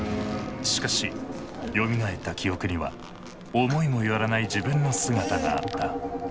しかしよみがえった記憶には思いも寄らない自分の姿があった。